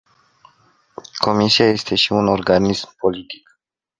Comisia este și un organism politic.